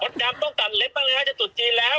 พจอัลตรีต้องตัดเล็บมาเลยนะจะตุดจีนแล้ว